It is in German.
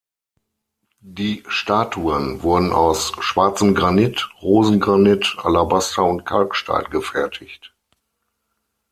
Die Statuen wurden aus Schwarzem Granit, Rosengranit, Alabaster und Kalkstein gefertigt.